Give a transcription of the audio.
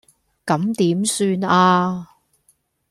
咁點算呀